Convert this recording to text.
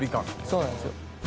そうなんですよ。